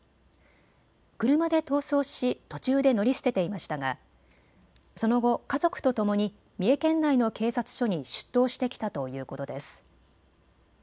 車で逃走し途中で乗り捨てていましたがその後、家族とともに三重県内の警察署に出頭してきたということです。